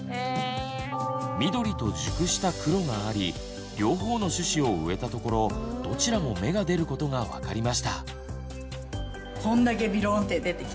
緑と熟した黒があり両方の種子を植えたところどちらも芽が出ることが分かりました。